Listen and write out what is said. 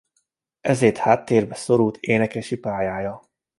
Ezért háttérbe szorult énekesi pályája.